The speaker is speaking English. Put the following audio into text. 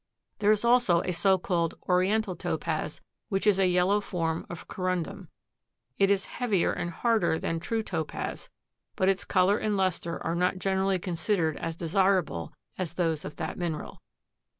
There is also a so called Oriental Topaz which is a yellow form of corundum. It is heavier and harder than true Topaz, but its color and luster are not generally considered as desirable as those of that mineral.